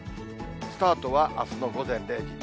スタートはあすの午前０時。